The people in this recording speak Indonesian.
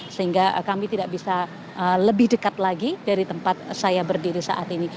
sehingga kami tidak bisa lebih dekat lagi dari tempat saya berdiri saat ini